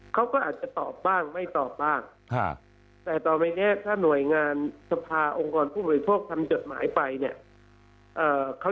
เขาก็อาจจะตอบบ้างไม่ตอบบ้างแต่ต่อไปเนี่ยถ้าหน่วยงานสภาองค์กรผู้บริโภคทำจดหมายไปเนี่ย